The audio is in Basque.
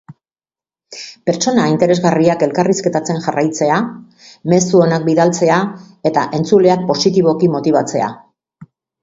Pertsona interesgarriak elkarrizketatzen jarraitzea, mezu onak bidaltzea eta entzuleak positiboki motibatzea.